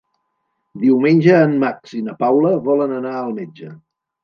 Diumenge en Max i na Paula volen anar al metge.